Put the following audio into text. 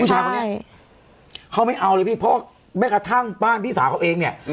ผู้ชายคนนี้เขาไม่เอาเลยพี่เพราะแม้กระทั่งบ้านพี่สาวเขาเองเนี่ย